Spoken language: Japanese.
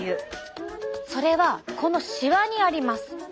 それはこのしわにあります。